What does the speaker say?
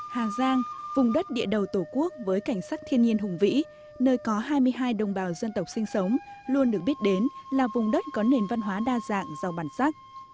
hà giang vùng đất địa đầu tổ quốc với cảnh sắc thiên nhiên hùng vĩ nơi có hai mươi hai đồng bào dân tộc sinh sống luôn được biết đến là vùng đất có nền văn hóa đa dạng giàu bản sắc